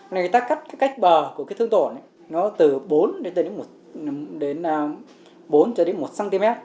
người ta cắt cái cách bờ của cái thương tổn nó từ bốn một cm